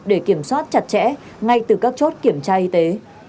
để kiểm soát chặt chẽ ngay từ các chốt kiểm tra y tế